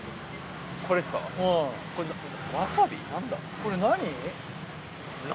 これ何？